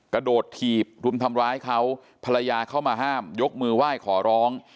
กระโดดถีบรุมทำร้ายเขาภรรยาเข้ามาห้ามยกมือไหว้ขอร้อง